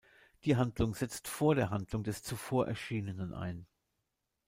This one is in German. Die Handlung setzt vor der Handlung des zuvor erschienenen ein.